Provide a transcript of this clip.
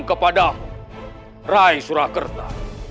kepada rai surakerta